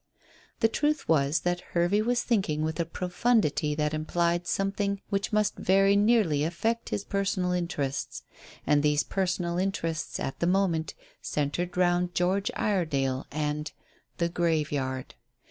The truth was that Hervey was thinking with a profundity that implied something which must very nearly affect his personal interests. And these personal interests, at the moment, centred round George Iredale and the graveyard.